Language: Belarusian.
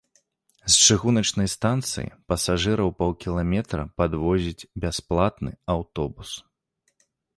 З чыгуначнай станцыі пасажыраў паўкіламетра падвозіць бясплатны аўтобус.